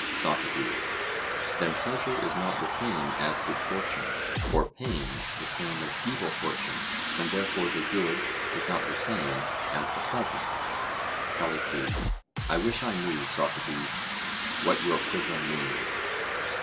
SOCRATES: Then pleasure is not the same as good fortune, or pain the same as evil fortune, and therefore the good is not the same as the pleasant? CALLICLES: I wish I knew, Socrates, what your quibbling means.